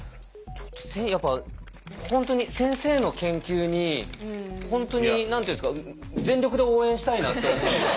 ちょっとやっぱ本当に先生の研究に何て言うんですか全力で応援したいなって思うのが。